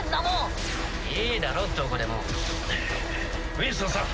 ウィンストンさん